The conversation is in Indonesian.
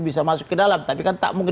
bisa masuk ke dalam tapi kan tak mungkin